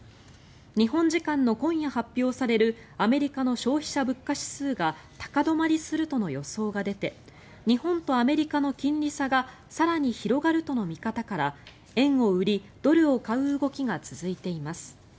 日本時間の今夜発表されるアメリカの消費者物価指数が高止まりするとの予想が出て日本とアメリカの金利差が更に広がるとの見方から円を売りドルを買う動きが続いています。